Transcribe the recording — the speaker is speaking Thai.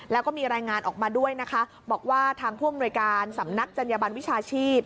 แล้วก็มีรายงานออกมาด้วยนะคะบอกว่าทางผู้อำนวยการสำนักจัญญบันวิชาชีพ